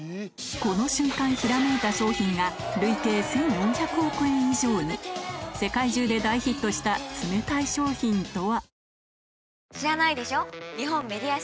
この瞬間ひらめいた商品が累計世界中で大ヒットした冷たい商品とは？